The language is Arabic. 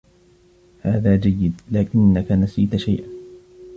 هذا جيّد، لكنّك نسيت شيئا.